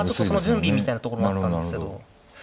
その準備みたいなところもあったんですけど。